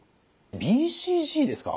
ＢＣＧですか？